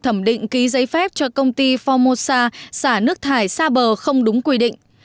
thẩm định ký giấy phép cho công ty formosa xả nước thải xa bờ không đúng quy định